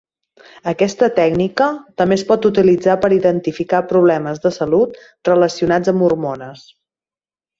Aquesta tècnica també es pot utilitzar per identificar problemes de salut relacionats amb hormones.